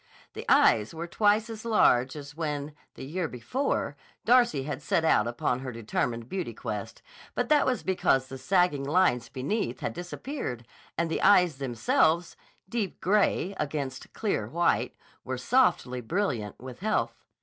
The eyes were twice as large as when, the year before, Darcy had set out upon her determined beauty quest; but that was because the sagging lines beneath had disappeared and the eyes themselves, deep gray against clear white, were softly brilliant with health.